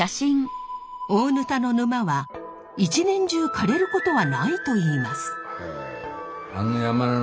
大垈の沼は一年中かれることはないといいます。